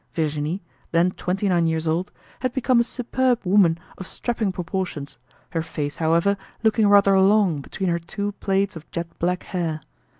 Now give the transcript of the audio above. Virginie, then twenty nine years old, had become a superb woman of strapping proportions, her face, however, looking rather long between her two plaits of jet black hair.